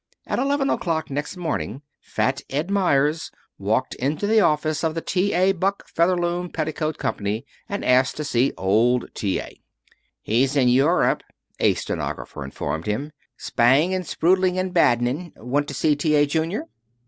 At eleven o'clock next morning Fat Ed Meyers walked into the office of the T. A. Buck Featherloom Petticoat Company and asked to see old T. A. "He's in Europe," a stenographer informed him, "spaing, and sprudeling, and badening. Want to see T. A. Junior?"